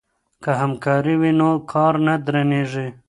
که همکاري وي نو کار نه درنیږي.